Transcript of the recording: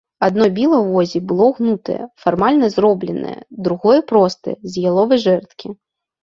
Адно біла ў возе было гнутае, фармальна зробленае, другое простае, з яловай жэрдкі.